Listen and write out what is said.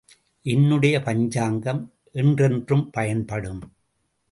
என்னுடைய பஞ்சாங்கம் என்றென்றும் பயன்படும்.